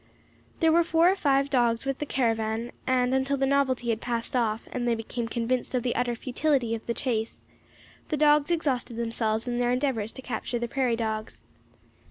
There were four or five dogs with the caravan, and until the novelty had passed off, and they became convinced of the utter futility of the chase, the dogs exhausted themselves in their endeavours to capture the prairie dogs.